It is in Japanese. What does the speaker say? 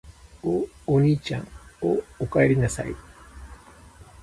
お、おにいちゃん・・・お、おかえりなさい・・・